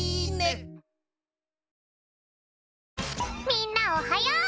みんなおはよう！